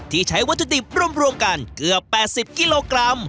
ใช้วัตถุดิบรวมกันเกือบ๘๐กิโลกรัม